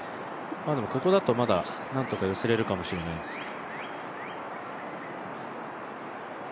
ここだとまだ何とか寄せられるかもしれないです。